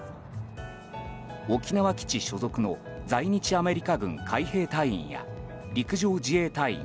沖縄基地所属の在日アメリカ軍海兵隊員や陸上自衛隊員